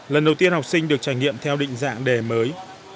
lần đầu tiên học sinh được trải nghiệm theo định dạng đề mới